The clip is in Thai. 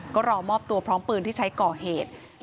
ก็รอมอบตัวพร้อมปืนที่ใช้ก่อเหตุ